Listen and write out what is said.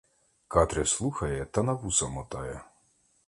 Катря слухає та на вуса мотає.